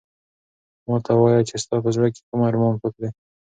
ما ته وایه چې ستا په زړه کې کوم ارمان پاتې دی؟